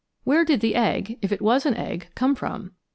Where did the egg if it was an egg come from?